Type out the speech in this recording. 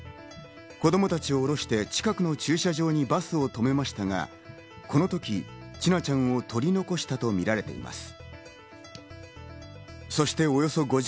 子供たちを降ろして近くの駐車場にバスを止めましたが、このとき、千奈ちゃんを取り残したとみられています。